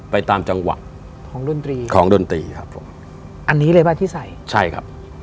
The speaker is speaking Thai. ไปตามจังหวะของดนตรีของดนตรีครับผมอันนี้เลยป่ะที่ใส่ใช่ครับ